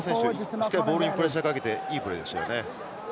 しっかりボールにプレッシャーかけていいプレーでしたよね。